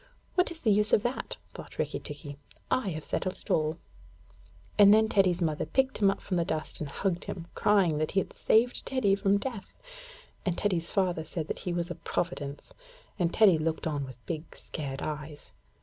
'What is the use of that?' thought Rikki tikki. 'I have settled it all'; and then Teddy's mother picked him up from the dust and hugged him, crying that he had saved Teddy from death, and Teddy's father said that he was a providence, and Teddy looked on with big scared eyes.